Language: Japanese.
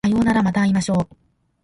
さようならまた会いましょう